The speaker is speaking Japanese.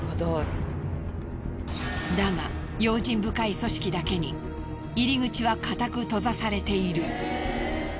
だが用心深い組織だけに入り口はかたく閉ざされている。